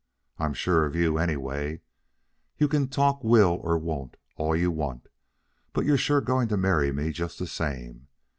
I'm sure of you, anyway. You can talk will or won't all you want, but you're sure going to marry me just the same.